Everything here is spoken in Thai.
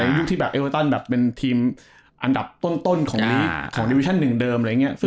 ยุคที่เอเวอตันเป็นทีมอันดับต้นของดิวิชั่น๑เดิม